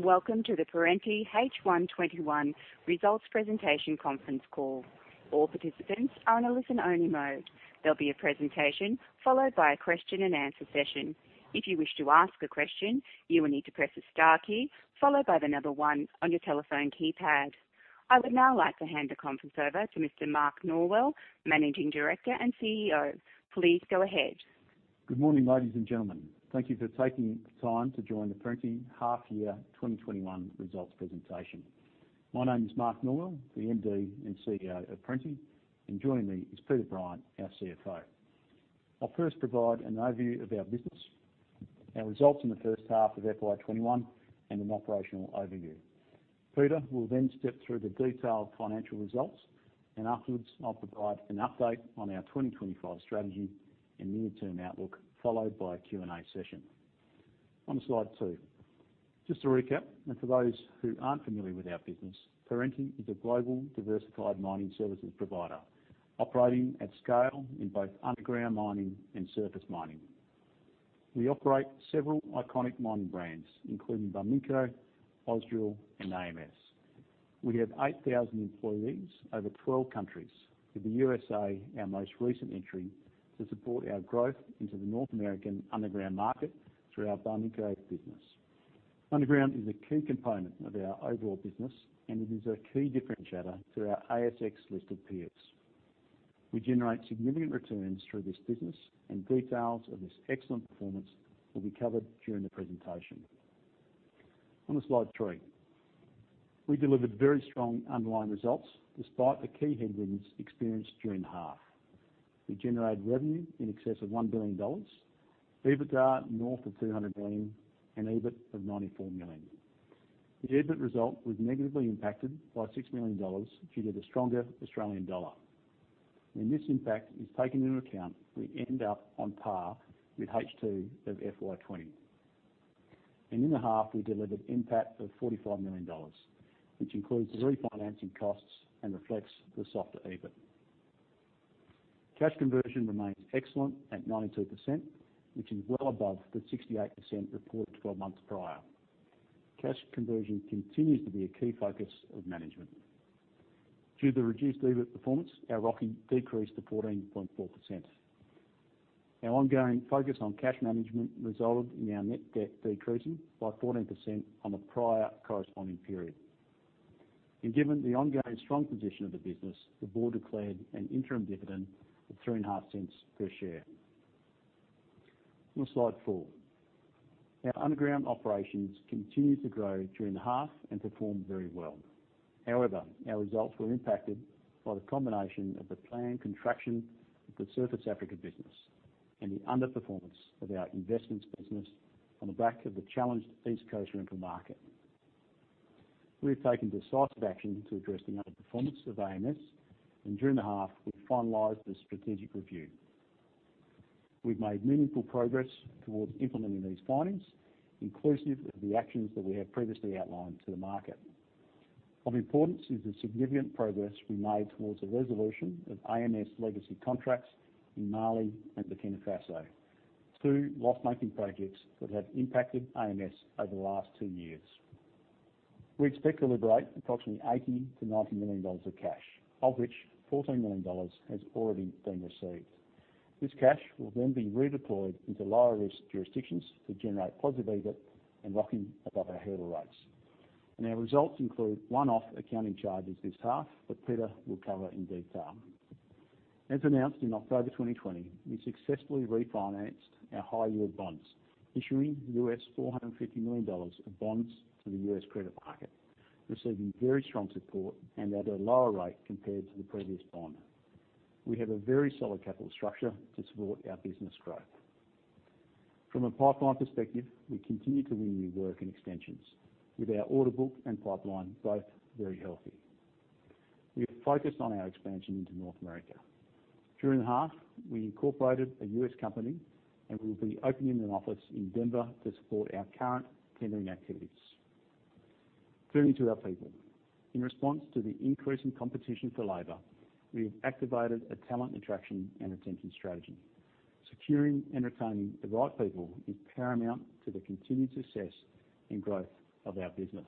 Welcome to the Perenti H1 2021 Results Presentation Conference Call. All participants are in a listen-only mode. There will be a presentation followed by a question-and-answer session. If you you wish to ask a question you will need to press star key followed one on your telephone keypad. I would now like to hand the conference over to Mr. Mark Norwell, Managing Director and CEO. Please go ahead. Good morning, ladies and gentlemen. Thank you for taking the time to join the Perenti half-year 2021 results presentation. My name is Mark Norwell, the MD and CEO of Perenti. Joining me is Peter Bryant, our CFO. I'll first provide an overview of our business, our results in the first half of FY 2021, and an operational overview. Peter will then step through the detailed financial results. Afterwards, I'll provide an update on our 2025 strategy and near-term outlook, followed by a Q&A session. On to Slide two. Just to recap, for those who aren't familiar with our business, Perenti is a global diversified mining services provider operating at scale in both underground mining and surface mining. We operate several iconic mining brands, including Barminco, Ausdrill, and AMS. We have 8,000 employees over 12 countries, with the U.S.A. our most recent entry to support our growth into the North American underground market through our Barminco business. Underground is a key component of our overall business, and it is a key differentiator to our ASX-listed peers. We generate significant returns through this business, and details of this excellent performance will be covered during the presentation. On to Slide three. We delivered very strong underlying results despite the key headwinds experienced during the half. We generated revenue in excess of 1 billion dollars, EBITDA north of 200 million, and EBIT of 94 million. The EBIT result was negatively impacted by 6 million dollars due to the stronger Australian dollar. When this impact is taken into account, we end up on par with H2 of FY 2020. In the half, we delivered NPAT of 45 million dollars, which includes refinancing costs and reflects the softer EBIT. Cash conversion remains excellent at 92%, which is well above the 68% reported 12 months prior. Cash conversion continues to be a key focus of management. Due to the reduced EBIT performance, our ROCE decreased to 14.4%. Our ongoing focus on cash management resulted in our net debt decreasing by 14% on the prior corresponding period. Given the ongoing strong position of the business, the board declared an interim dividend of 0.035 per share. On to Slide four. Our underground operations continued to grow during the half and performed very well. However, our results were impacted by the combination of the planned contraction of the surface Africa business and the underperformance of our investments business on the back of the challenged East Coast rental market. We have taken decisive action to address the underperformance of AMS. During the half, we finalized the strategic review. We've made meaningful progress towards implementing these findings, inclusive of the actions that we have previously outlined to the market. Of importance is the significant progress we made towards the resolution of AMS legacy contracts in Mali and Burkina Faso, two loss-making projects that have impacted AMS over the last two years. We expect to liberate approximately 80 million-90 million dollars of cash, of which 14 million dollars has already been received. This cash will be redeployed into lower-risk jurisdictions that generate positive EBIT and ROCE above our hurdle rates. Our results include one-off accounting charges this half that Peter will cover in detail. As announced in October 2020, we successfully refinanced our high-yield bonds, issuing $450 million of bonds to the U.S. credit market, receiving very strong support and at a lower rate compared to the previous bond. We have a very solid capital structure to support our business growth. From a pipeline perspective, we continue to win new work and extensions, with our order book and pipeline both very healthy. We are focused on our expansion into North America. During the half, we incorporated a U.S. company and will be opening an office in Denver to support our current tendering activities. Turning to our people. In response to the increasing competition for labor, we have activated a talent attraction and retention strategy. Securing and retaining the right people is paramount to the continued success and growth of our business.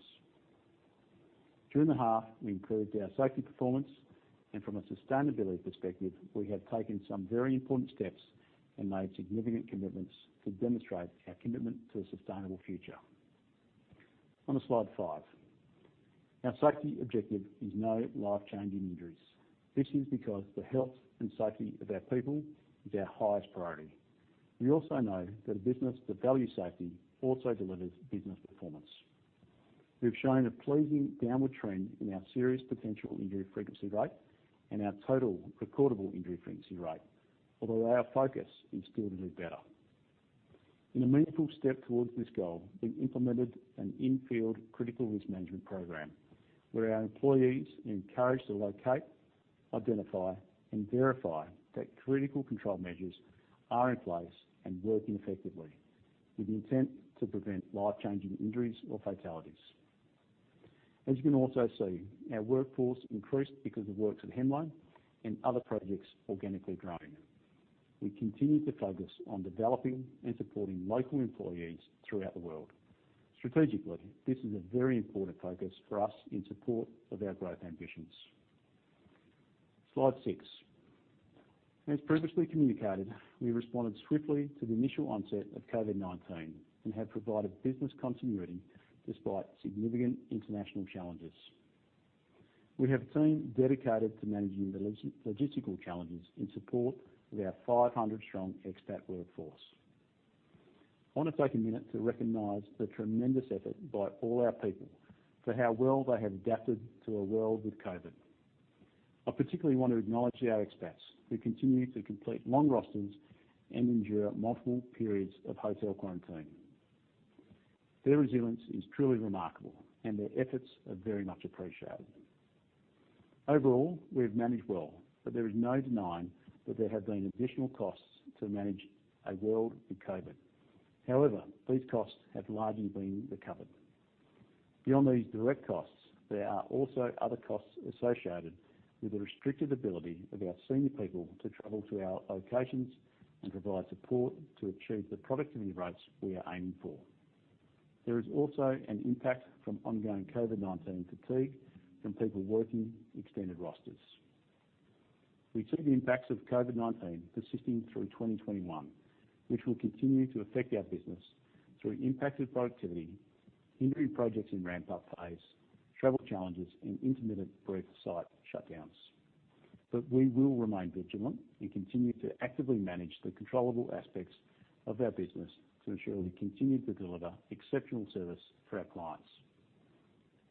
During the half, we improved our safety performance, and from a sustainability perspective, we have taken some very important steps and made significant commitments to demonstrate our commitment to a sustainable future. On to Slide five. Our safety objective is no life-changing injuries. This is because the health and safety of our people is our highest priority. We also know that a business that values safety also delivers business performance. We've shown a pleasing downward trend in our serious potential injury frequency rate and our total recordable injury frequency rate. Although our focus is still to do better. In a meaningful step towards this goal, we've implemented an in-field critical risk management program where our employees are encouraged to locate, identify, and verify that critical control measures are in place and working effectively with the intent to prevent life-changing injuries or fatalities. As you can also see, our workforce increased because of works at Hemlo and other projects organically growing. We continue to focus on developing and supporting local employees throughout the world. Strategically, this is a very important focus for us in support of our growth ambitions. Slide six. As previously communicated, we responded swiftly to the initial onset of COVID-19 and have provided business continuity despite significant international challenges. We have a team dedicated to managing logistical challenges in support of our 500-strong expat workforce. I want to take a minute to recognize the tremendous effort by all our people for how well they have adapted to a world with COVID. I particularly want to acknowledge our expats who continue to complete long rosters and endure multiple periods of hotel quarantine. Their resilience is truly remarkable, and their efforts are very much appreciated. Overall, we've managed well, but there is no denying that there have been additional costs to manage a world with COVID. However, these costs have largely been recovered. Beyond these direct costs, there are also other costs associated with the restricted ability of our senior people to travel to our locations and provide support to achieve the productivity rates we are aiming for. There is also an impact from ongoing COVID-19 fatigue from people working extended rosters. We see the impacts of COVID-19 persisting through 2021, which will continue to affect our business through impacted productivity, hindered projects and ramp-up pace, travel challenges, and intermittent brief site shutdowns. We will remain vigilant and continue to actively manage the controllable aspects of our business to ensure we continue to deliver exceptional service for our clients.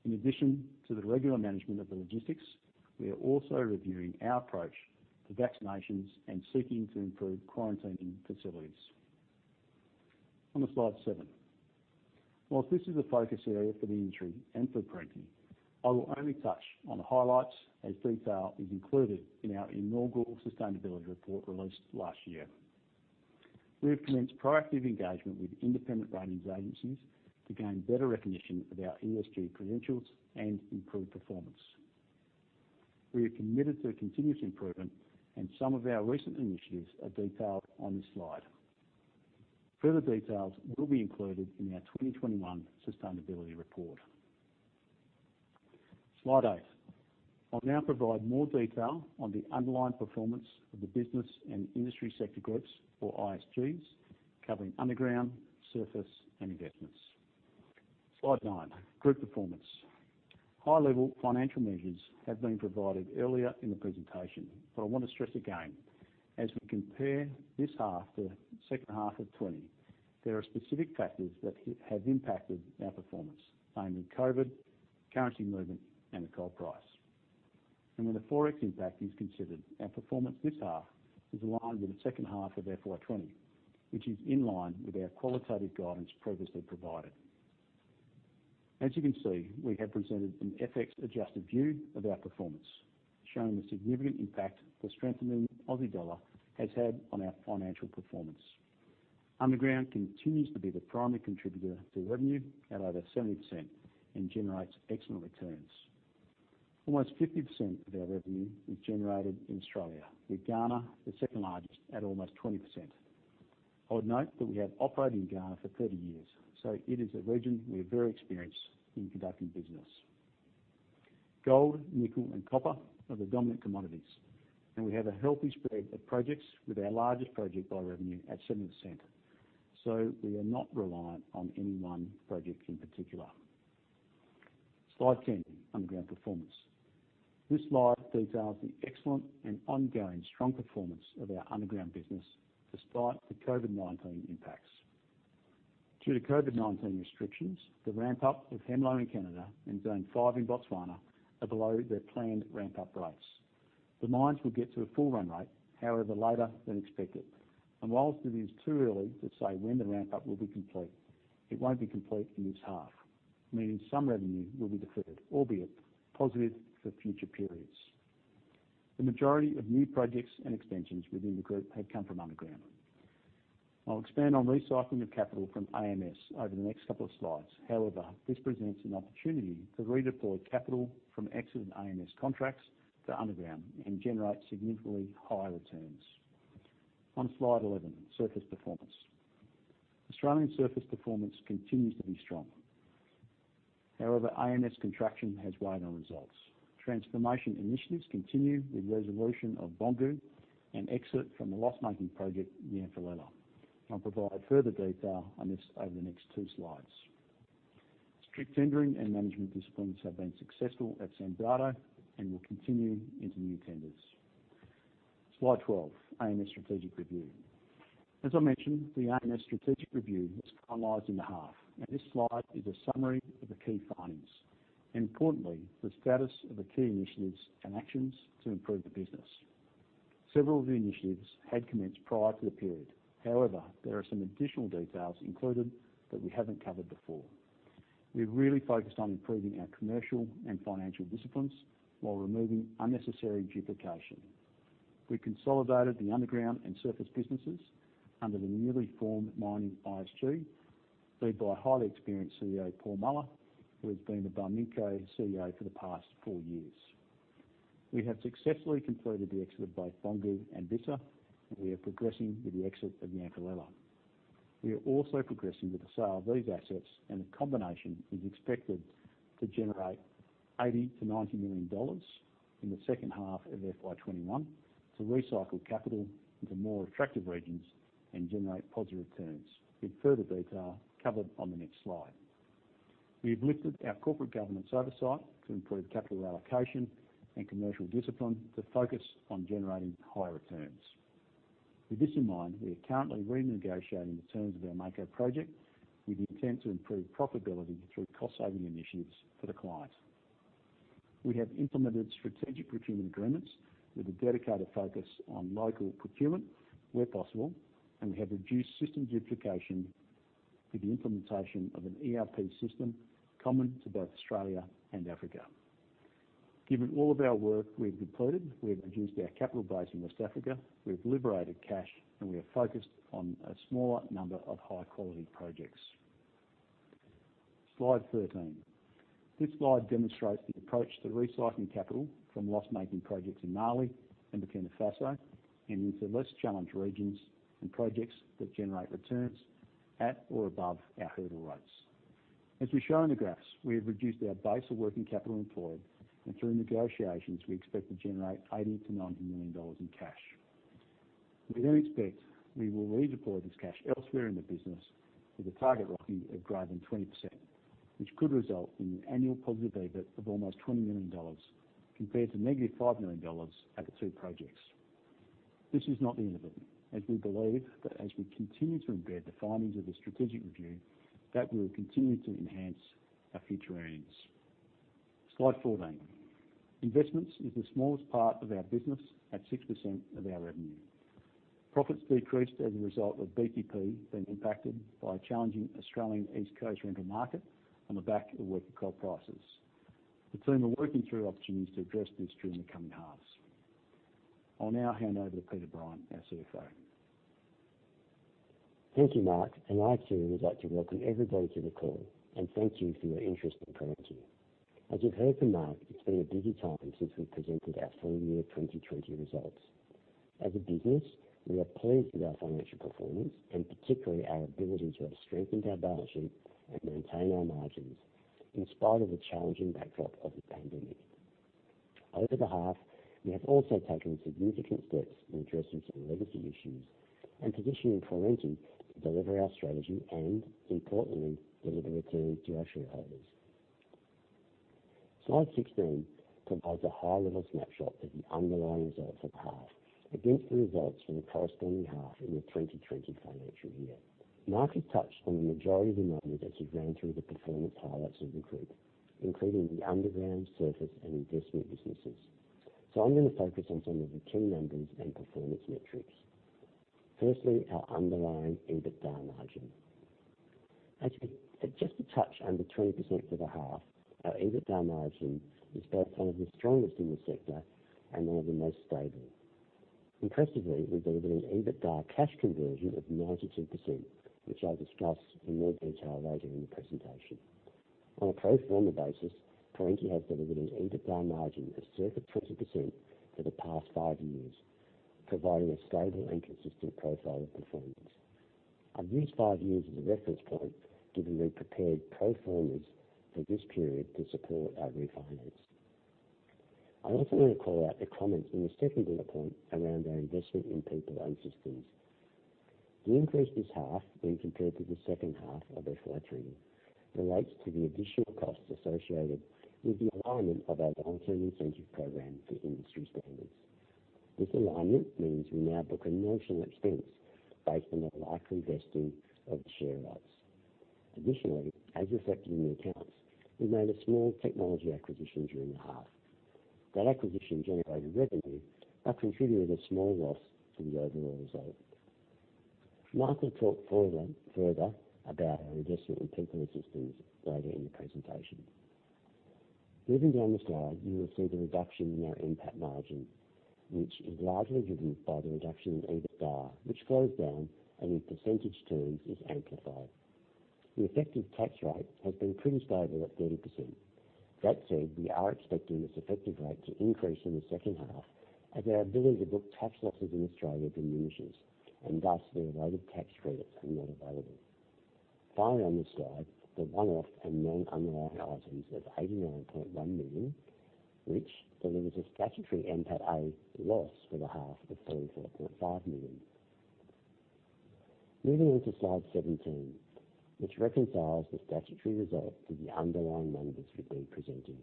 In addition to the regular management of the logistics, we are also reviewing our approach to vaccinations and seeking to improve quarantining facilities. On to Slide seven. Whilst this is a focus area for the industry and for Perenti, I will only touch on the highlights as detail is included in our inaugural sustainability report released last year. We have commenced proactive engagement with independent ratings agencies to gain better recognition of our ESG credentials and improve performance. We are committed to continuous improvement, some of our recent initiatives are detailed on this slide. Further details will be included in our 2021 sustainability report. Slide 8. I'll now provide more detail on the underlying performance of the business and industry sector groups or ISGs, covering underground, surface, and investments. Slide 9. Group performance. High-level financial measures have been provided earlier in the presentation, I want to stress again, as we compare this half to the second half of 2020, there are specific factors that have impacted our performance, namely COVID, currency movement, and the coal price. When the ForEx impact is considered, our performance this half is aligned with the second half of FY 2020, which is in line with our qualitative guidance previously provided. As you can see, we have presented an FX-adjusted view of our performance, showing the significant impact the strengthening Aussie dollar has had on our financial performance. Underground continues to be the primary contributor to revenue at over 70% and generates excellent returns. Almost 50% of our revenue is generated in Australia, with Ghana the second largest at almost 20%. I would note that we have operated in Ghana for 30 years, so it is a region we are very experienced in conducting business. Gold, nickel, and copper are the dominant commodities, and we have a healthy spread of projects with our largest project by revenue at 7%, so we are not reliant on any one project in particular. Slide 10, underground performance. This slide details the excellent and ongoing strong performance of our underground business despite the COVID-19 impacts. Due to COVID-19 restrictions, the ramp-up of Hemlo in Canada and Zone 5 in Botswana are below their planned ramp-up rates. The mines will get to a full run rate, however, later than expected, whilst it is too early to say when the ramp-up will be complete, it won't be complete in this half, meaning some revenue will be deferred, albeit positive for future periods. The majority of new projects and extensions within the group have come from underground. I'll expand on recycling of capital from AMS over the next couple of slides. This presents an opportunity to redeploy capital from exit and AMS contracts to underground and generate significantly higher returns. On Slide 11, surface performance. Australian surface performance continues to be strong. AMS contraction has weighed on results. Transformation initiatives continue with resolution of Boungou and exit from the loss-making project, Yanfolila. I'll provide further detail on this over the next two slides. Strict tendering and management disciplines have been successful at Sanbrado and will continue into new tenders. Slide 12, AMS strategic review. As I mentioned, the AMS strategic review was finalized in the half, and this slide is a summary of the key findings, and importantly, the status of the key initiatives and actions to improve the business. Several of the initiatives had commenced prior to the period. However, there are some additional details included that we haven't covered before. We've really focused on improving our commercial and financial disciplines while removing unnecessary duplication. We consolidated the underground and surface businesses under the newly formed Mining ISG, led by highly experienced CEO Paul Muller, who has been the Barminco CEO for the past four years. We have successfully completed the exit of both Boungou and Bissa, and we are progressing with the exit of Nkonsa. We are also progressing with the sale of these assets, and the combination is expected to generate 80 million-90 million dollars in the second half of FY 2021, to recycle capital into more attractive regions and generate positive returns. In further detail, covered on the next slide. We've lifted our corporate governance oversight to improve capital allocation and commercial discipline to focus on generating higher returns. With this in mind, we are currently renegotiating the terms of our Mako Project, with the intent to improve profitability through cost-saving initiatives for the client. We have implemented strategic procurement agreements with a dedicated focus on local procurement where possible, and we have reduced system duplication with the implementation of an ERP system common to both Australia and Africa. Given all of our work we've completed, we've reduced our capital base in West Africa, we've liberated cash, and we are focused on a smaller number of high-quality projects. Slide 13. This slide demonstrates the approach to recycling capital from loss-making projects in Mali and Burkina Faso, and into less challenged regions and projects that generate returns at or above our hurdle rates. As we show in the graphs, we have reduced our base of working capital employed, and through negotiations, we expect to generate AUD 80 million-AUD 90 million in cash. We expect we will redeploy this cash elsewhere in the business, with a target ROCE of greater than 20%, which could result in an annual positive EBIT of almost AUD 20 million compared to AUD -5 million at the two projects. This is not the end of it, as we believe that as we continue to embed the findings of the strategic review, that will continue to enhance our future earnings. Slide 14. Investments is the smallest part of our business at 6% of our revenue. Profits decreased as a result of BTP being impacted by a challenging Australian East Coast rental market on the back of weaker coal prices. The team are working through opportunities to address this during the coming halves. I will now hand over to Peter Bryant, our CFO. Thank you, Mark, and I too would like to welcome everybody to the call, and thank you for your interest in Perenti. As you've heard from Mark, it has been a busy time since we presented our full-year 2020 results. As a business, we are pleased with our financial performance, and particularly our ability to have strengthened our balance sheet and maintain our margins in spite of the challenging backdrop of the pandemic. Over the half, we have also taken significant steps in addressing some legacy issues and positioning Perenti to deliver our strategy and, importantly, deliver returns to our shareholders. Slide 16 provides a high-level snapshot of the underlying results for the half against the results for the corresponding half in the 2020 financial year. Mark has touched on the majority of the numbers as he ran through the performance highlights of the group, including the underground surface and investment businesses. I'm going to focus on some of the key numbers and performance metrics. Firstly, our underlying EBITDA margin. At just a touch under 20% for the half, our EBITDA margin is both one of the strongest in the sector and one of the most stable. Impressively, we delivered an EBITDA cash conversion of 92%, which I'll discuss in more detail later in the presentation. On a pro forma basis, Perenti has delivered an EBITDA margin of circa 20% for the past five years, providing a stable and consistent profile of performance. I've used five years as a reference point, given we prepared pro formas for this period to support our refinance. I also want to call out a comment in the second bullet point around our investment in people and systems. The increase this half when compared to the second half of FY 2020, relates to the additional costs associated with the alignment of our long-term incentive program to industry standards. This alignment means we now book a notional expense based on the likely vesting of the share rights. Additionally, as reflected in the accounts, we made a small technology acquisition during the half. That acquisition generated revenue but contributed a small loss to the overall result. Mark will talk further about our investment in people and systems later in the presentation. Moving down the slide, you will see the reduction in our NPAT margin, which is largely driven by the reduction in EBITDA, which flows down and in percentage terms is amplified. The effective tax rate has been pretty stable at 30%. That said, we are expecting this effective rate to increase in the second half as our ability to book tax losses in Australia diminishes, and thus the related tax credits are not available. Finally, on this slide, the one-off and non-underlying items of 89.1 million, which delivers a statutory NPATA loss for the half of 34.5 million. Moving on to slide 17, which reconciles the statutory result to the underlying numbers we've been presenting.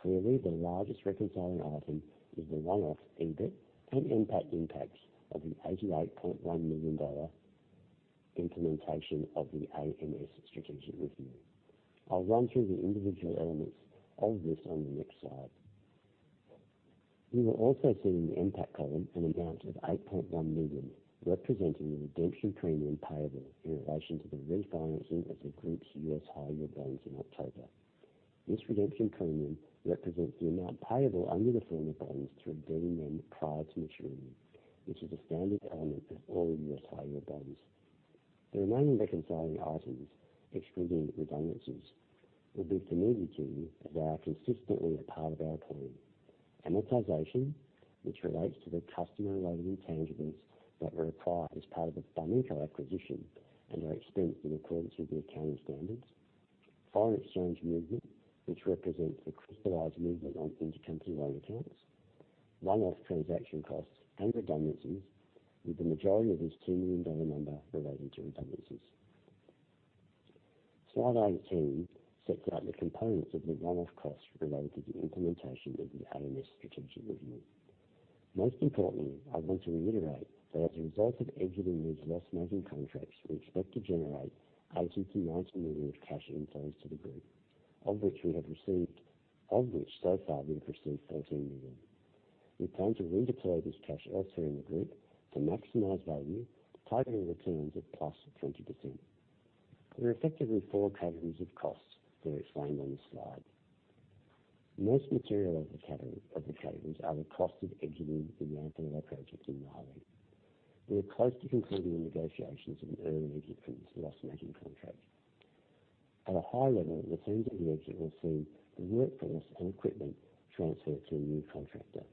Clearly, the largest reconciling item is the one-off EBIT and NPAT impacts of the 88.1 million dollar implementation of the AMS strategic review. I will run through the individual elements of this on the next slide. We will also see in the NPATA column an amount of 8.1 million, representing the redemption premium payable in relation to the refinancing of the group's U.S. higher-yield bonds in October. This redemption premium represents the amount payable under the form of bonds through redeeming them prior to maturity, which is a standard element of all U.S. higher-yield bonds. The remaining reconciling items, excluding redundancies, will be familiar to you as they are consistently a part of our claim. Amortization, which relates to the customer-related intangibles that were acquired as part of the Barminco acquisition and are expensed in accordance with the accounting standards. Foreign exchange movement, which represents the crystallized movement on intercompany loan accounts, one-off transaction costs, and redundancies, with the majority of this 2 million dollar number relating to redundancies. Slide 19 sets out the components of the one-off costs related to the implementation of the AMS strategic review. I want to reiterate that as a result of exiting these loss-making contracts, we expect to generate 80 million-90 million of cash inflows to the group, of which so far we have received 14 million. We plan to redeploy this cash elsewhere in the group to maximize value, targeting returns of +20%. There are effectively four categories of costs that are explained on this slide. Most material of the categories are the cost of exiting the Yanfolila project in Mali. We are close to concluding the negotiations of an early exit from this loss-making contract. At a high level, the terms of the exit will see the workforce and equipment transfer to a new contractor.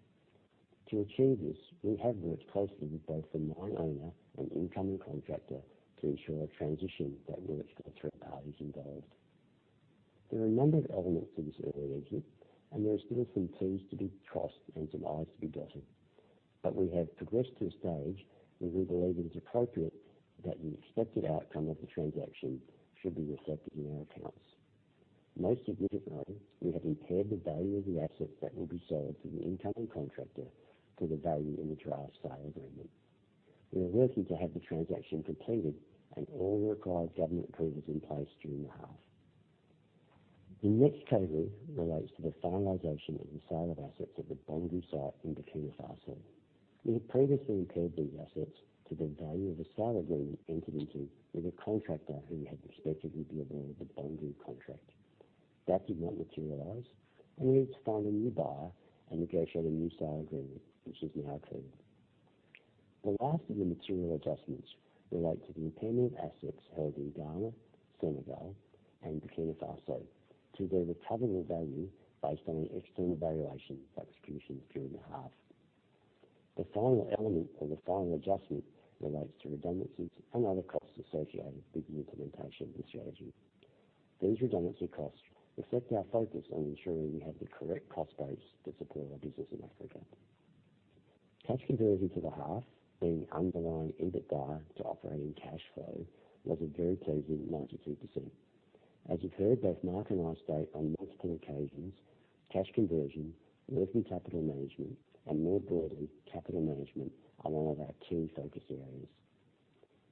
To achieve this, we have worked closely with both the mine owner and incoming contractor to ensure a transition that works for the three parties involved. There are a number of elements to this early exit, and there are still some T's to be crossed and some I's to be dotted, but we have progressed to a stage where we believe it is appropriate that the expected outcome of the transaction should be reflected in our accounts. Most significantly, we have impaired the value of the assets that will be sold to the incoming contractor for the value in the draft sale agreement. We are working to have the transaction completed and all the required government approvals in place during the half. The next category relates to the finalization of the sale of assets at the Boungou site in Burkina Faso. We had previously impaired these assets to the value of a sale agreement entered into with a contractor who we had expected would be awarded the Boungou contract. That did not materialize, and we needed to find a new buyer and negotiate a new sale agreement, which is now concluded. The last of the material adjustments relate to the impairment of assets held in Ghana, Senegal, and Burkina Faso to their recoverable value based on an external valuation that was concluded during the half. The final element or the final adjustment relates to redundancies and other costs associated with the implementation of the strategy. These redundancy costs reflect our focus on ensuring we have the correct cost base to support our business in Africa. Cash conversion for the half being underlying EBITDA to operating cash flow was a very pleasing 92%. As you've heard both Mark and I state on multiple occasions, cash conversion, working capital management, and more broadly, capital management, are one of our key focus areas.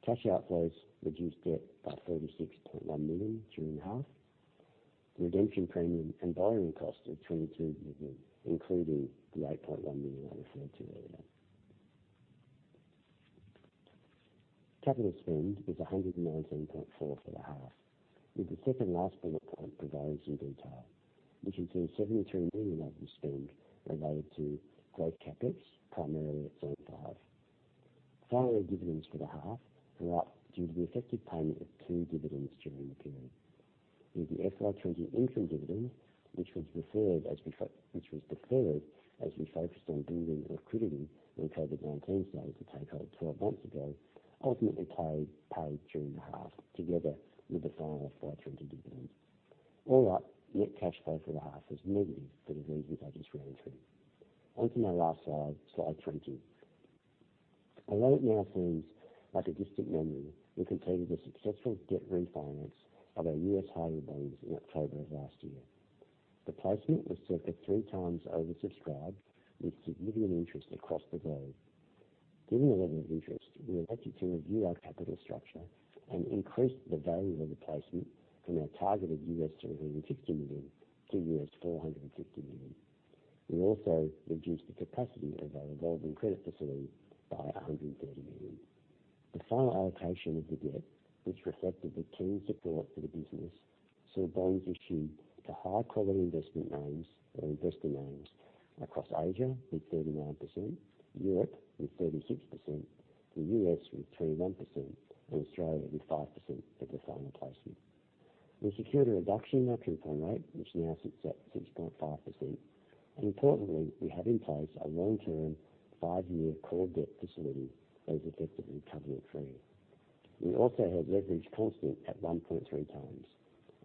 Cash outflows reduced debt by 36.1 million during the half. The redemption premium and borrowing cost of 22 million, including the 8.1 million I referred to earlier. CapEx is 119.4 for the half. With the second-last bullet point providing some detail, which includes 73 million of the spend related to growth CapEx, primarily at to the half. Final dividends for the half were up due to the effective payment of two dividends during the period. With the FY20 interim dividend, which was deferred as we focused on building liquidity when COVID-19 started to take hold 12 months ago, ultimately paid during the half, together with the final FY 2020 dividend. All up, net cash flow for the half was negative for the reasons I just ran through. On to my last Slide 20. Although it now seems like a distant memory, we completed the successful debt refinance of our U.S. higher-yield bonds in October of last year. The placement was 3x oversubscribed with significant interest across the globe. Given the level of interest, we elected to review our capital structure and increased the value of the placement from our targeted $360 million-$450 million. We also reduced the capacity of our revolving credit facility by $130 million. The final allocation of the debt, which reflected the keen support for the business, saw bonds issued to high-quality investment names or investor names across Asia with 39%, Europe with 36%, the U.S. with 21%, and Australia with 5% of the final placement. We secured a reduction in our coupon rate, which now sits at 6.5%. Importantly, we have in place a long-term five-year core debt facility that is effectively covenant free. We also have leverage constant at 1.3x,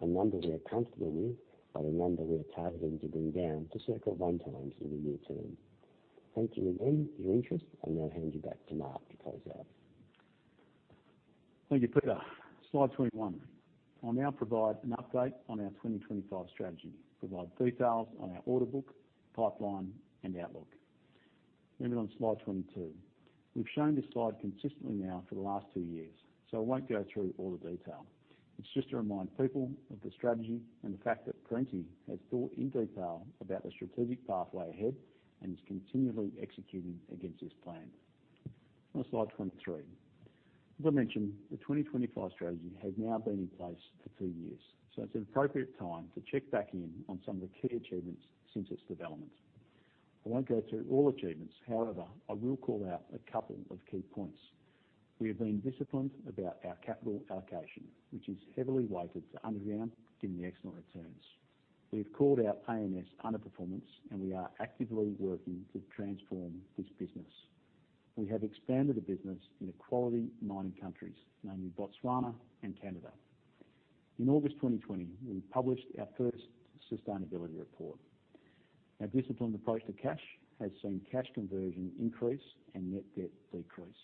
a number we are comfortable with, but a number we are targeting to bring down to circa one times in the near-term. Thank you again for your interest, and I'll hand you back to Mark to close out. Thank you, Peter. Slide 21. I'll now provide an update on our 2025 strategy, provide details on our order book, pipeline, and outlook. Moving on Slide 22. We've shown this slide consistently now for the last two years. I won't go through all the detail. It's just to remind people of the strategy and the fact that Perenti has thought in detail about the strategic pathway ahead and is continually executing against this plan. On Slide 23. As I mentioned, the 2025 strategy has now been in place for two years. It's an appropriate time to check back in on some of the key achievements since its development. I won't go through all achievements. However, I will call out a couple of key points. We have been disciplined about our capital allocation, which is heavily weighted to underground, giving the excellent returns. We've called out AMS underperformance, and we are actively working to transform this business. We have expanded the business into quality mining countries, namely Botswana and Canada. In August 2020, we published our first sustainability report. Our disciplined approach to cash has seen cash conversion increase and net debt decrease.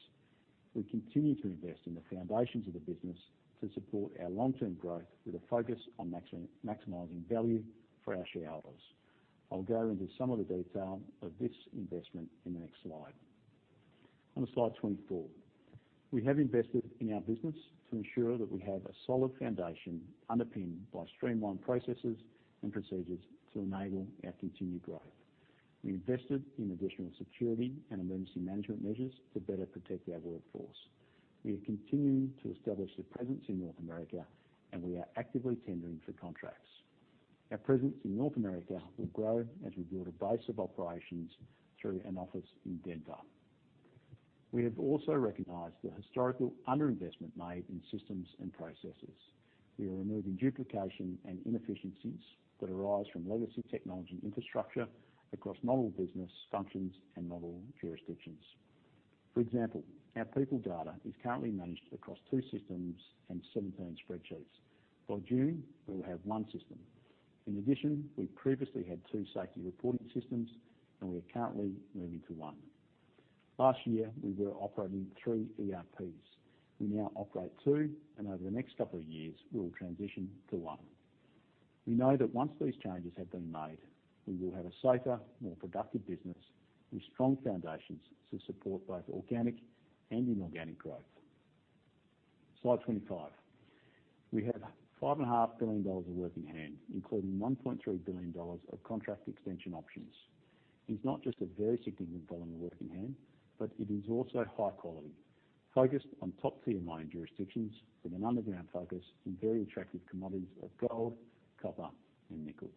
We continue to invest in the foundations of the business to support our long-term growth with a focus on maximizing value for our shareholders. I'll go into some of the detail of this investment in the next slide. On to Slide 24. We have invested in our business to ensure that we have a solid foundation underpinned by streamlined processes and procedures to enable our continued growth. We invested in additional security and emergency management measures to better protect our workforce. We are continuing to establish a presence in North America, and we are actively tendering for contracts. Our presence in North America will grow as we build a base of operations through an office in Denver. We have also recognized the historical underinvestment made in systems and processes. We are removing duplication and inefficiencies that arise from legacy technology infrastructure across multiple business functions and multiple jurisdictions. For example, our people data is currently managed across two systems and 17 spreadsheets. By June, we will have one system. In addition, we previously had two safety reporting systems. We are currently moving to one. Last year, we were operating three ERPs. We now operate two. Over the next couple of years, we will transition to one. We know that once these changes have been made, we will have a safer, more productive business with strong foundations to support both organic and inorganic growth. Slide 25. We have 5.5 billion dollars of work in hand, including 1.3 billion dollars of contract extension options. It's not just a very significant volume of work in hand, but it is also high quality, focused on top-tier mining jurisdictions with an underground focus in very attractive commodities of gold, copper, and nickel.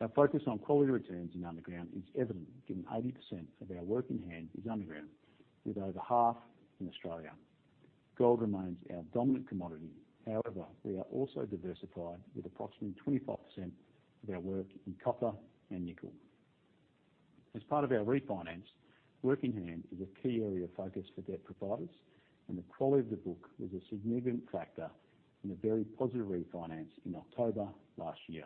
Our focus on quality returns in underground is evident, given 80% of our work in hand is underground, with over half in Australia. Gold remains our dominant commodity. However, we are also diversified with approximately 25% of our work in copper and nickel. As part of our refinance, work in hand is a key area of focus for debt providers, and the quality of the book was a significant factor in a very positive refinance in October last year.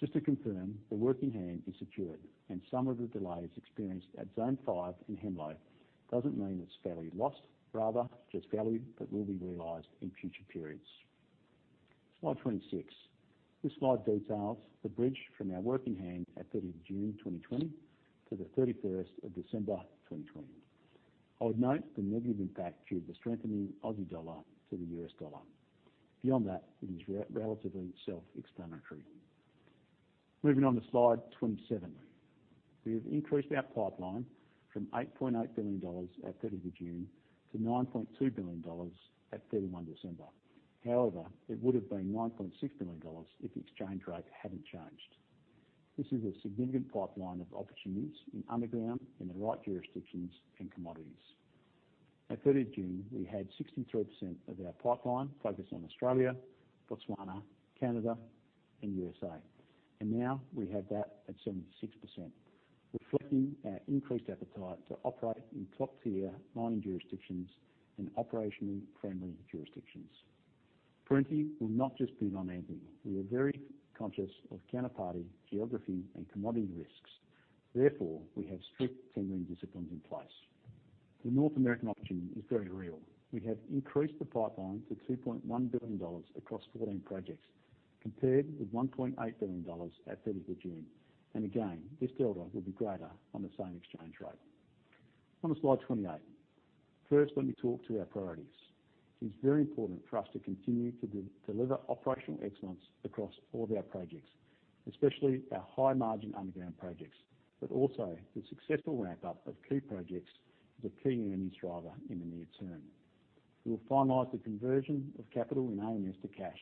Just to confirm, the work in hand is secured and some of the delays experienced at Zone 5 in Hemlo doesn't mean it's value lost, rather just value that will be realized in future periods. Slide 26. This slide details the bridge from our work in hand at 30th June, 2020 to the 31st of December, 2020. I would note the negative impact due to the strengthening Aussie dollar to the U.S. dollar. Beyond that, it is relatively self-explanatory. Moving on to Slide 27. We have increased our pipeline from 8.8 billion dollars at 30th of June to 9.2 billion dollars at 31 December. It would have been 9.6 billion dollars if the exchange rate hadn't changed. This is a significant pipeline of opportunities in underground in the right jurisdictions and commodities. At 30th June, we had 63% of our pipeline focused on Australia, Botswana, Canada, and U.S.A. Now we have that at 76%, reflecting our increased appetite to operate in top-tier mining jurisdictions and operational friendly jurisdictions. Perenti will not just be mining anything. We are very conscious of counterparty, geography, and commodity risks. Therefore, we have strict tendering disciplines in place. The North American option is very real. We have increased the pipeline to 2.1 billion dollars across 14 projects, compared with 1.8 billion dollars at 30th of June. Again, this delta will be greater on the same exchange rate. On to Slide 28. First, let me talk to our priorities. It is very important for us to continue to deliver operational excellence across all of our projects, especially our high-margin underground projects, but also the successful ramp-up of key projects as a key earnings driver in the near-term. We will finalize the conversion of capital in AMS to cash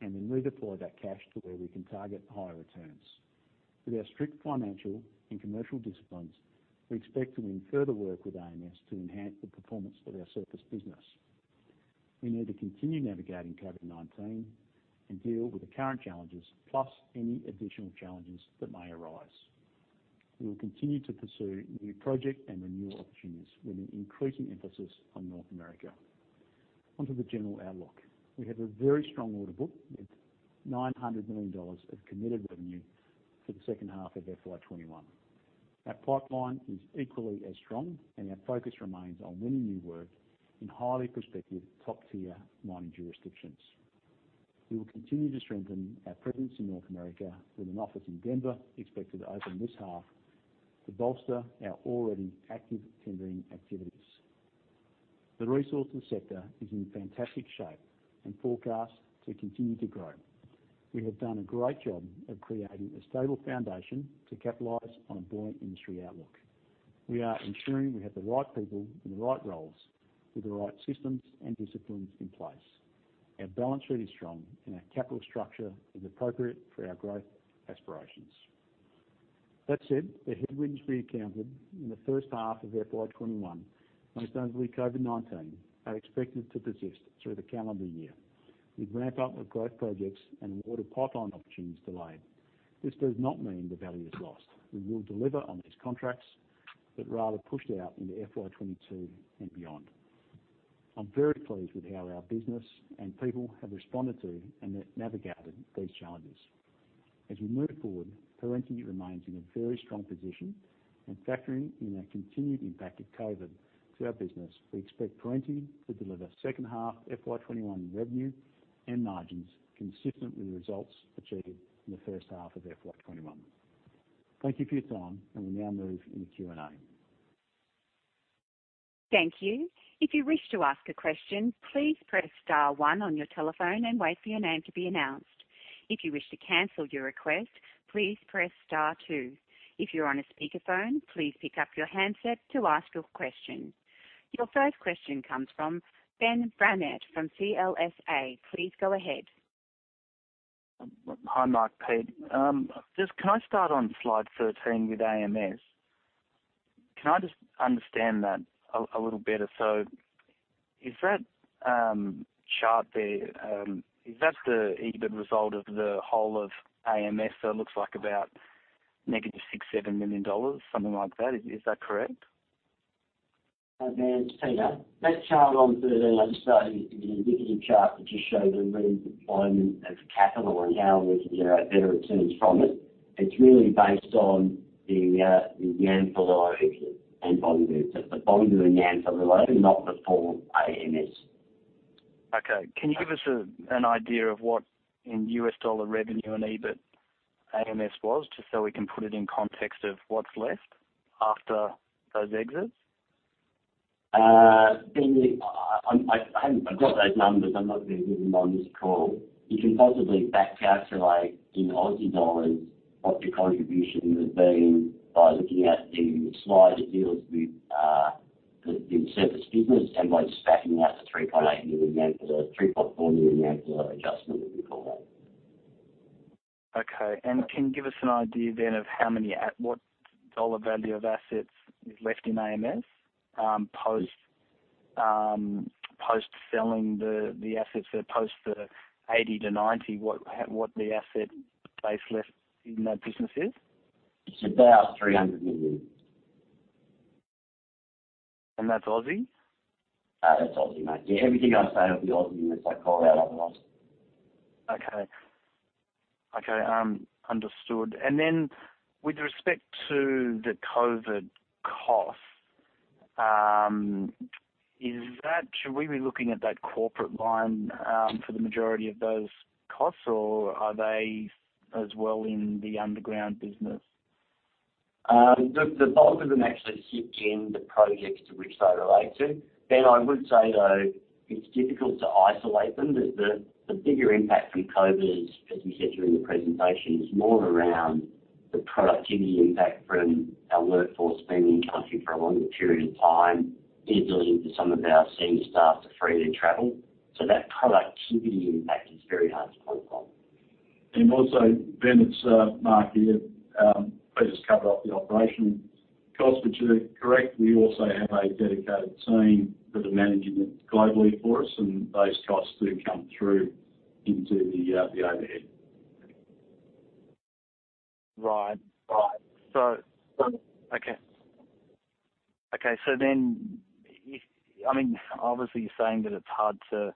and then redeploy that cash to where we can target higher returns. With our strict financial and commercial disciplines, we expect to win further work with AMS to enhance the performance of our surface business. We need to continue navigating COVID-19 and deal with the current challenges, plus any additional challenges that may arise. We will continue to pursue new project and renewal opportunities with an increasing emphasis on North America. Onto the general outlook. We have a very strong order book with 900 million dollars of committed revenue for the second half of FY 2021. Our pipeline is equally as strong, and our focus remains on winning new work in highly prospective top-tier mining jurisdictions. We will continue to strengthen our presence in North America with an office in Denver expected to open this half to bolster our already active tendering activity The resourcing sector is in fantastic shape and forecast to continue to grow. We have done a great job of creating a stable foundation to capitalize on a buoyant industry outlook. We are ensuring we have the right people in the right roles, with the right systems and disciplines in place. Our balance sheet is strong, and our capital structure is appropriate for our growth aspirations. That said, the headwinds we encountered in the first half of FY 2021, most notably COVID-19, are expected to persist through the calendar year, with ramp-up of growth projects and order pipeline opportunities delayed. This does not mean the value is lost. We will deliver on these contracts, but rather pushed out into FY 2022 and beyond. I'm very pleased with how our business and people have responded to and have navigated these challenges. As we move forward, Perenti remains in a very strong position. Factoring in a continued impact of COVID to our business, we expect Perenti to deliver second half FY 2021 revenue and margins consistent with the results achieved in the first half of FY 2021. Thank you for your time. We now move into Q&A. Thank you. If you wish to ask a question, please press star one on your telephone and wait for your name to be announced. If you wish to cancel your request, please press star two. If you're on a speakerphone, please pick up your handset to ask your question. Your first question comes from Ben Brownette from CLSA. Please go ahead. Hi, Mark, Pete. Can I start on Slide 13 with AMS? Can I understand that a little better? Is that chart there, is that the EBIT result of the whole of AMS? It looks like about -6 million to 7 million dollars, something like that. Is that correct? Ben, it's Peter. That chart on 13, I just say, is an indicative chart that just shows the redeployment of capital and how we can generate better returns from it. It's really based on the Yanfolila and Boungou, just the Boungou and Yanfolila, not the full AMS. Okay. Can you give us an idea of what, in U.S. dollar revenue and EBIT, AMS was, just so we can put it in context of what's left after those exits? Ben, I've got those numbers. I'm not going to give them on this call. You can possibly back calculate in AUD what the contribution has been by looking at the slide that deals with the service business and by just backing out the AUD 3.8 million, the 3.4 million adjustment that we call that. Okay. Can you give us an idea then of how many at what AUD value of assets is left in AMS, post-selling the assets or post the 80 million- 90 million, what the asset base left in that business is? It's about 300 million. That's Aussie? That's Aussie, mate. Yeah, everything I say will be Aussie, unless I call out otherwise. Okay. Understood. Then with respect to the COVID costs, should we be looking at that corporate line, for the majority of those costs, or are they as well in the underground business? The bulk of them actually sit in the projects to which they relate to. Ben, I would say, though, it is difficult to isolate them. The bigger impact from COVID, as we said during the presentation, is more around the productivity impact from our workforce being in country for a longer period of time, inability for some of our senior staff to freely travel. That productivity impact is very hard to pull from. Also, Ben, it's Mark here. Peter's covered off the operational costs. You're correct, we also have a dedicated team that are managing it globally for us, and those costs do come through into the overhead. Right. Okay. Obviously, you're saying that it's hard to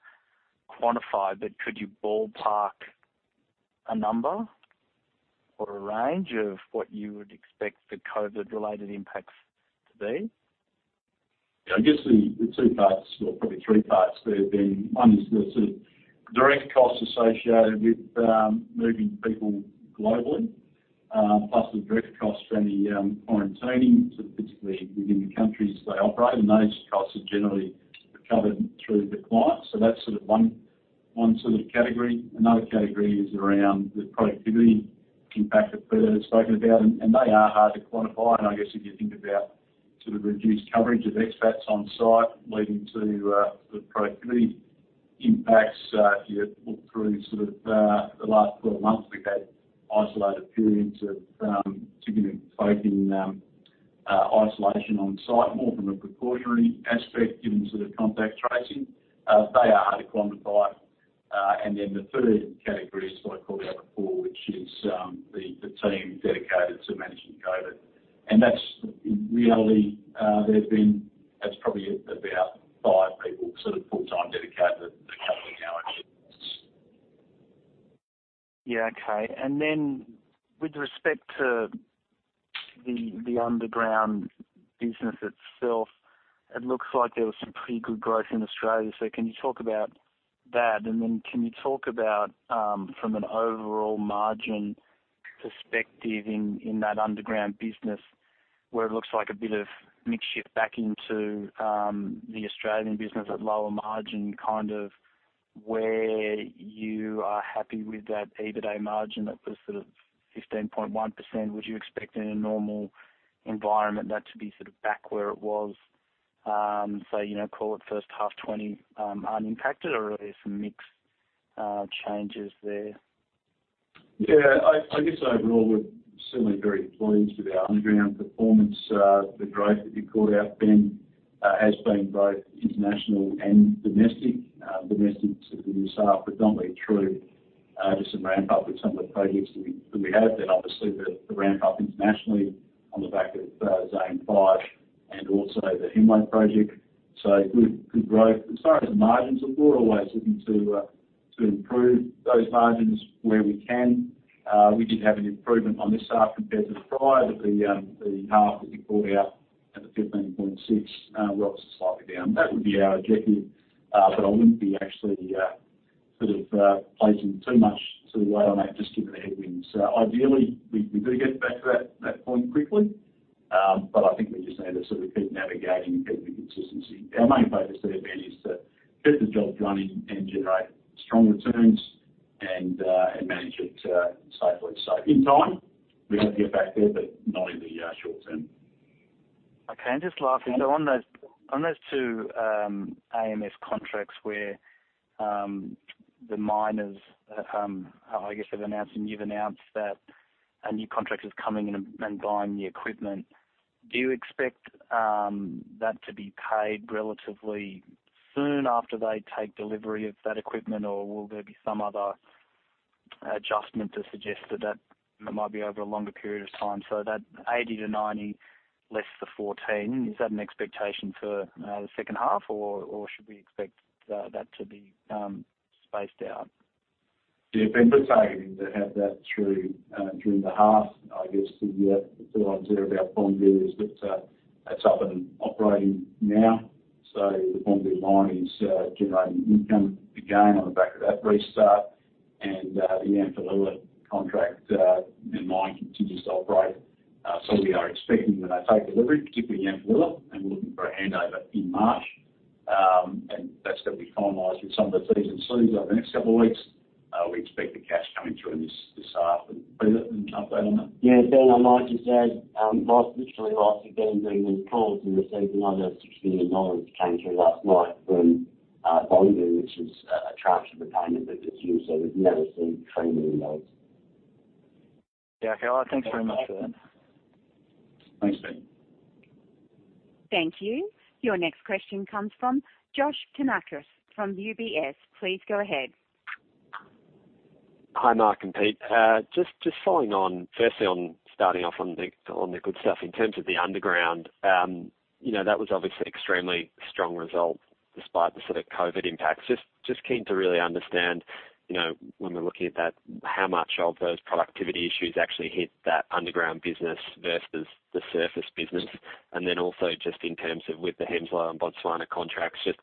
quantify, but could you ballpark a number or a range of what you would expect the COVID-related impacts to be? I guess the two parts or probably three parts there have been, one is the sort of direct costs associated with moving people globally, plus the direct costs from the quarantining, so particularly within the countries they operate. Those costs are generally recovered through the clients. That's one category. Another category is around the productivity impact that Peter has spoken about, and they are hard to quantify. I guess if you think about sort of reduced coverage of expats on site leading to the productivity impacts. If you look through the last 12 months, we've had isolated periods of significant folk in isolation on site, more from a precautionary aspect, given contact tracing. They are hard to quantify. The third category is what I call our core, which is the team dedicated to managing COVID. In reality, that's probably about five people, sort of full-time dedicated to covering our exits. Yeah. Okay. With respect to the underground business itself, it looks like there was some pretty good growth in Australia. Can you talk about that? Can you talk about, from an overall margin perspective in that underground business where it looks like a bit of mix shift back into the Australian business at lower margin, where you are happy with that EBITDA margin that was 15.1%? Would you expect in a normal environment that to be back where it was, call it H1 2020 unimpacted or are there some mix changes there? I guess overall, we're certainly very pleased with our underground performance. The growth that you called out, Ben, has been both international and domestic. Domestic, sort of in the south, predominantly through just some ramp-up with some of the projects that we have. Obviously the ramp-up internationally on the back of Zone 5 and also the Hemlo project. Good growth. As far as the margins are, we're always looking to improve those margins where we can. We did have an improvement on this half compared to the prior. The half that you called out at the 15.6% was slightly down. That would be our objective, but I wouldn't be actually placing too much weight on that, just given the headwinds. Ideally, we do get back to that point quickly, but I think we just need to keep navigating and keeping the consistency. Our main focus at the end is to get the job done and generate strong returns and manage it safely. In time, we hope to get back there, but not in the short-term. Okay. Just lastly, on those two AMS contracts where the miners, I guess they've announced and you've announced that a new contract is coming and buying the equipment, do you expect that to be paid relatively soon after they take delivery of that equipment? Will there be some other adjustment to suggest that that might be over a longer period of time? That 80 million-90 million less the 14 million, is that an expectation for the second half, or should we expect that to be spaced out? Yeah, Ben, we're targeting to have that through during the half. I guess the good news there about Boungou is that it's up and operating now. The Boungou mine is generating income again on the back of that restart. The Yanfolila contract and mine continues to operate. We are expecting when they take delivery, particularly Yanfolila, and we're looking for a handover in March. That's got to be finalized with some of the Ts&Cs over the next couple of weeks. We expect the cash coming through in this half. Peter, update on that? Yeah, Ben, like you said, literally last again during this call this evening, another 16 million dollars came through last night from Boungou, which is a tranche of the payment. As you said, we've never seen trading in those. Yeah. Okay. Well, thanks very much for that. Thanks, Ben. Thank you. Your next question comes from Josh Kannourakis from UBS. Please go ahead. Hi, Mark and Pete. Just following on, firstly on starting off on the good stuff in terms of the underground, that was obviously extremely strong result despite the sort of COVID impacts. Just keen to really understand, when we're looking at that, how much of those productivity issues actually hit that underground business versus the surface business? Also just in terms of with the Hemlo and Botswana contracts, just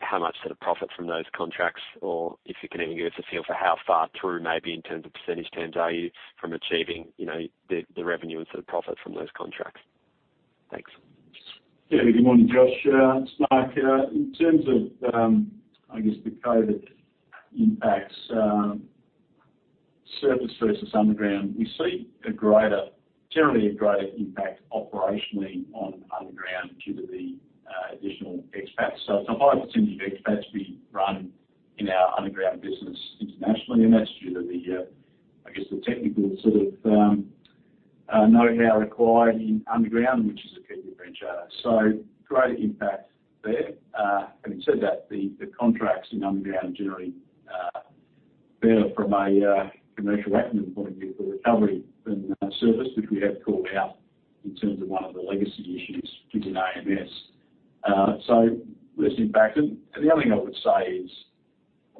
how much profit from those contracts, or if you can even give us a feel for how far through maybe in terms of percentage terms are you from achieving the revenue and profit from those contracts? Thanks. Yeah. Good morning, Josh. It's Mark. In terms of, I guess the COVID impacts, surface versus underground, we see generally a greater impact operationally on underground due to the additional expats. It's a high percentage of expats we run in our underground business internationally, and that's due to the technical sort of know-how required in underground, which is a key differentiator. Greater impact there. Having said that, the contracts in underground are generally better from a commercial acumen point of view for recovery than surface, which we have called out in terms of one of the legacy issues within AMS. Less impact. The other thing I would say is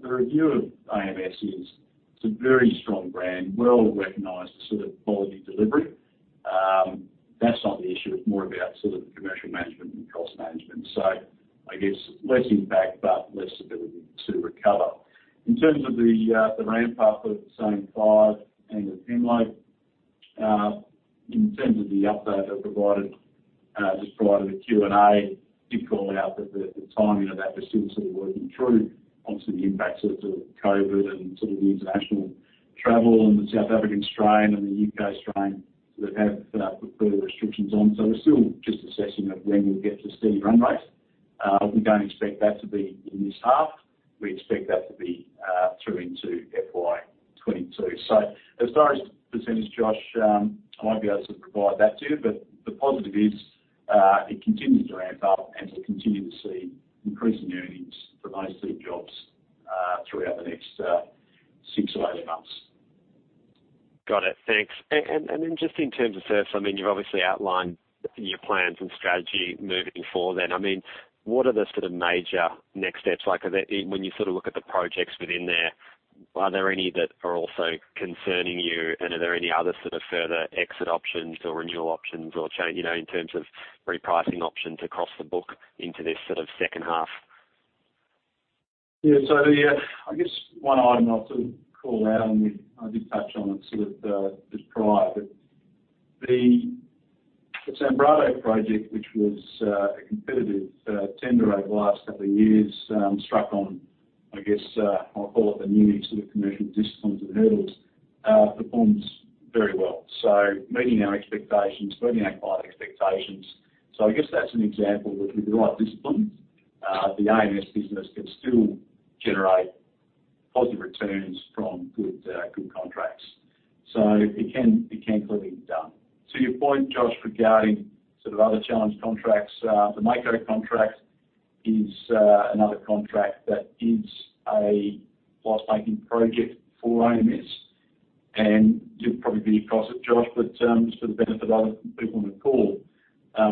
the review of AMS is it's a very strong brand, well recognized for quality delivery. That's not the issue. It's more about commercial management and cost management. I guess less impact, but less ability to recover. In terms of the ramp-up of Zone 5 and the Hemlo, in terms of the update I provided, just provided a Q&A, did call out that the timing of that we're still working through on some impacts of the COVID and the international travel and the South African strain and the U.K. strain that have put further restrictions on. We're still just assessing when we'll get to steady run rate. We don't expect that to be in this half. We expect that to be through into FY 2022. As far as percentage, Josh, I won't be able to provide that to you, but the positive is it continues to ramp up, and we continue to see increasing earnings from those two jobs throughout the next 6-18 months. Got it. Thanks. Just in terms of surface, I mean, you've obviously outlined your plans and strategy moving forward then. I mean, what are the major next steps? Like, when you look at the projects within there, are there any that are also concerning you, and are there any other further exit options or renewal options or change in terms of repricing options across the book into this second half? Yeah. I guess one item I'll call out, and I did touch on it just prior. The KITS and Brothers project, which was a competitive tender over the last couple of years, struck on, I guess I'll call it the new sort of commercial disciplines and hurdles, performs very well. Meeting our expectations, meeting our client expectations. I guess that's an example that with the right discipline, the AMS business can still generate positive returns from good contracts. It can clearly be done. To your point, Josh, regarding other challenged contracts, the Mako contract is another contract that is a loss-making project for AMS, and you'll probably be across it, Josh, but just for the benefit of other people on the call,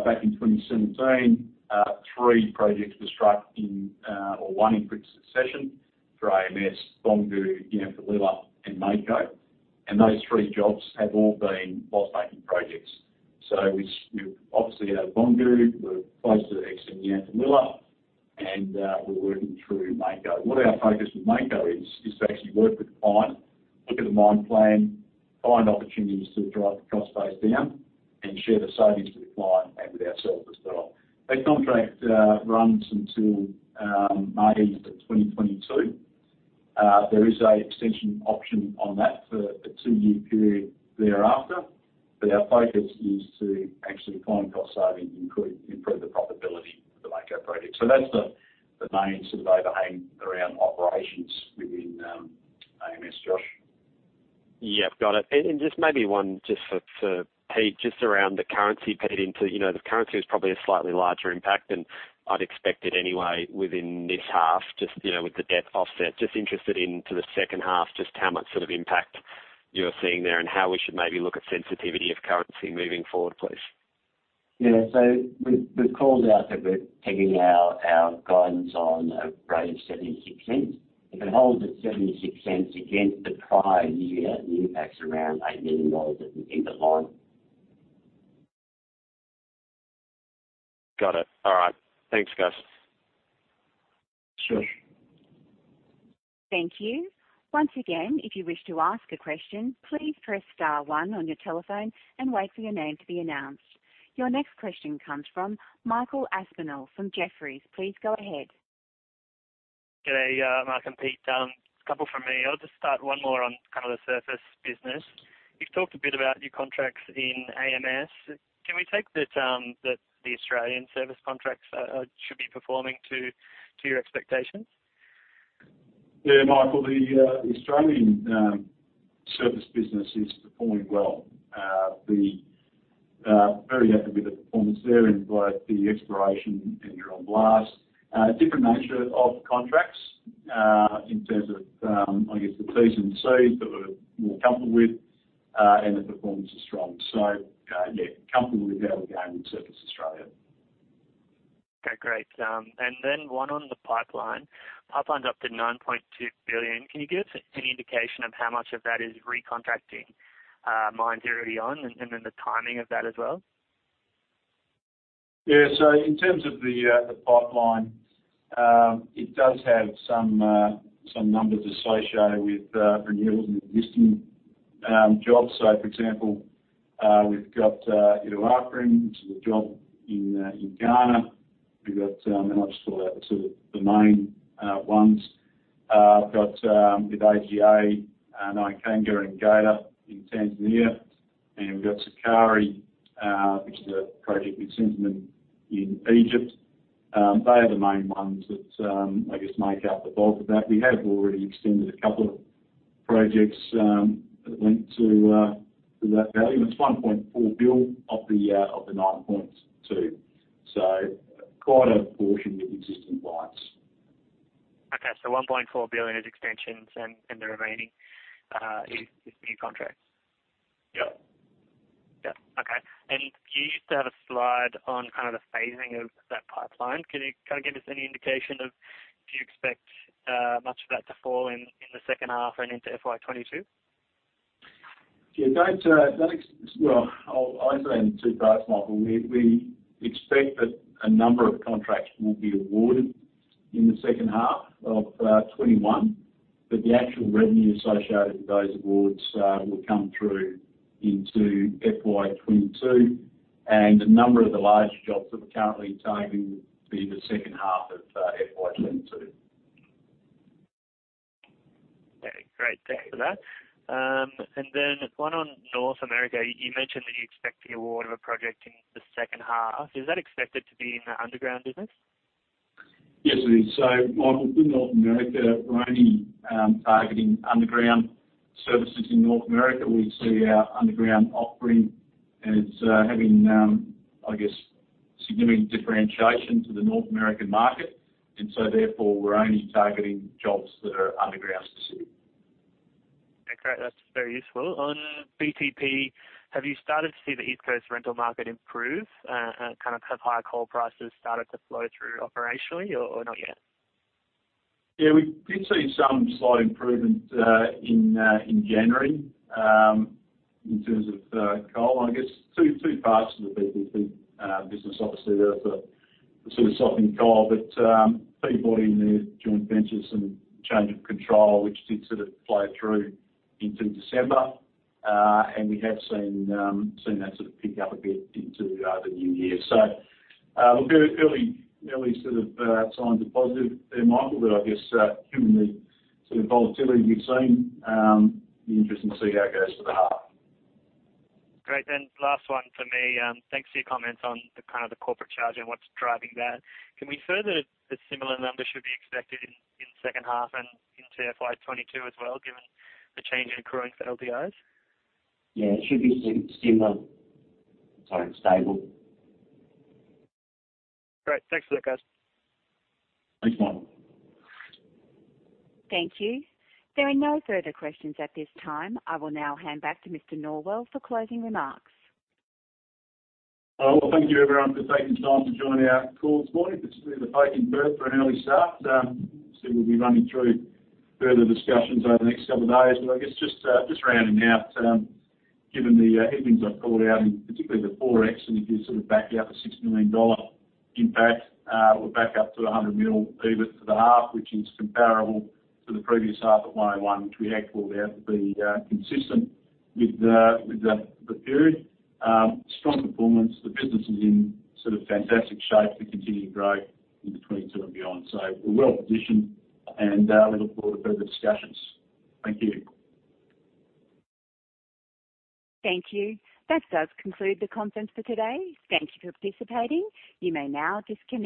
back in 2017, three projects were struck in or one in quick succession for AMS, Boungou, Yanfolila, and Mako. Those three jobs have all been loss-making projects. We obviously had Boungou. We're close to exiting Yanfolila, and we're working through Mako. What our focus with Mako is to actually work with the client, look at the mine plan, find opportunities to drive the cost base down, and share the savings with the client and with ourselves as well. That contract runs until May of 2022. There is an extension option on that for a two-year period thereafter, but our focus is to actually find cost savings to improve the profitability of the Mako project. That's the main sort of overhang around operations within AMS, Josh. Yep, got it. Just maybe one just for Pete, just around the currency playing into, the currency was probably a slightly larger impact than I'd expect it anyway within this half, just with the debt offset. Just interested into the second half, just how much impact you're seeing there and how we should maybe look at sensitivity of currency moving forward, please. Yeah. We've called out that we're pegging our guidance on a rate of 0.76. If it holds at 0.76 against the prior year, the impact's around 8 million dollars at the end of the line. Got it. All right. Thanks, guys. Sure. Thank you. Once again, if you wish to ask a question, please press star one on your telephone and wait for your name to be announced. Your next question comes from Michael Aspinall from Jefferies. Please go ahead. Hey, Mark and Pete. A couple from me. I'll just start one more on the surface business. You've talked a bit about new contracts in AMS. Can we take that the Australian surface contracts should be performing to your expectations? Yeah, Michael, the Australian surface business is performing well. Very happy with the performance there in both the exploration and Ausdrill. Different nature of contracts in terms of the T&Cs that we're more comfortable with, and the performance is strong. Comfortable with how we're going with Surface Australia. Okay, great. One on the pipeline. Pipeline's up to 9.2 billion. Can you give us any indication of how much of that is recontracting mines already on, and then the timing of that as well? Yeah. In terms of the pipeline, it does have some numbers associated with renewals and existing jobs. For example, we've got Iduapriem, which is a job in Ghana. We've got And I'll just call out the main ones. We've got with AGA, Nyankanga and Geita in Tanzania, and we've got Sukari, which is a project with Centamin in Egypt. They are the main ones that make up the bulk of that. We have already extended a couple of projects that link to that value, and it's 1.4 billion of the 9.2 billion. Quite a portion with existing clients. Okay. 1.4 billion is extensions and the remaining is new contracts. Yep. Yep. Okay. You used to have a slide on the phasing of that pipeline. Can you give us any indication of, do you expect much of that to fall in the second half and into FY 2022? Yeah. Well, I'll say in two parts, Michael. We expect that a number of contracts will be awarded in the second half of 2021, but the actual revenue associated with those awards will come through into FY 2022, and a number of the large jobs that we're currently targeting will be the second half of FY 2022. Okay, great. Thanks for that. One on North America. You mentioned that you expect the award of a project in the second half. Is that expected to be in the underground business? Yes, it is. Michael, in North America, we're only targeting underground services in North America. We see our underground offering as having significant differentiation to the North American market. Therefore, we're only targeting jobs that are underground-specific. Okay, great. That's very useful. On BTP, have you started to see the East Coast rental market improve? Have higher coal prices started to flow through operationally or not yet? Yeah. We did see some slight improvement in January, in terms of coal. I guess two parts to the BTP business. Obviously, the softening coal, but Peabody and their joint ventures and change of control, which did flow through into December. We have seen that pick up a bit into the new year. Look, early signs are positive there, Michael, but I guess given the volatility we've seen, it'll be interesting to see how it goes for the half. Great. Last one for me. Thanks for your comments on the corporate charge and what's driving that. Can we infer that a similar number should be expected in the second half and into FY 2022 as well, given the change in accruing for LTIs? Yeah. It should be similar. Sorry, stable. Great. Thanks for that, guys. Thanks, Michael. Thank you. There are no further questions at this time. I will now hand back to Mr. Norwell for closing remarks. Well, thank you everyone for taking the time to join our call this morning, particularly those of you in Perth for an early start. Obviously, we'll be running through further discussions over the next couple of days. I guess just rounding out, given the headings I've called out, and particularly the ForEx, and if you back out the 6 million dollar impact, we're back up to 100 million EBIT for the half, which is comparable to the previous half at 101 million, which we had called out to be consistent with the period. Strong performance. The business is in fantastic shape to continue to grow into 2022 and beyond. We're well positioned, and we look forward to further discussions. Thank you. Thank you. That does conclude the conference for today. Thank you for participating. You may now disconnect.